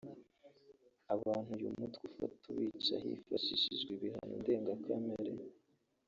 Abantu uyu mutwe ufata ubica hifashishijwe ibihano ndengakamere